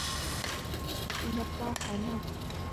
Nhận bao khó nhọc